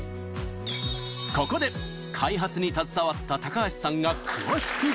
ここで開発に携わった高橋さんが詳しく解説！